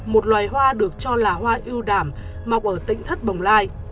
một loài hoa được cho là hoa ưu đảm mọc ở tỉnh thất bồng lai